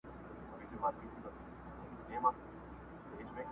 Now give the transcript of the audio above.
زورولي مي دي خلک په سل ګونو.!